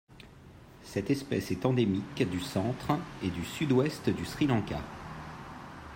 Cette espèce est endémique du centre et du Sud-Ouest du Sri Lanka.